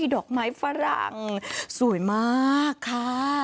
ดอกไม้ฝรั่งสวยมากค่ะ